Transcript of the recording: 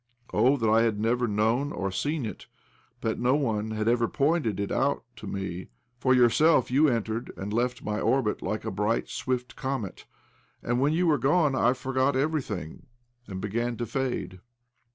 Oh, that I had never known or seen it, that no one had ever pointed it out to me ! For yourself, you entered and left my orbit like a bright, swift comet ; and when you were gone I forgot everything, and began to fade."